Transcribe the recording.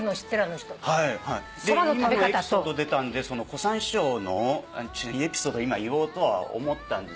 今エピソード出たんで小さん師匠のエピソード今言おうとは思ったんです。